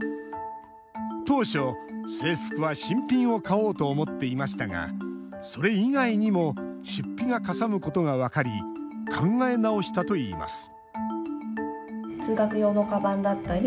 当初、制服は新品を買おうと思っていましたがそれ以外にも出費がかさむことが分かり考え直したといいます